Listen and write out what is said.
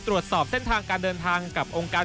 ตรวจสอบเส้นทางการเดินทางกับองค์การ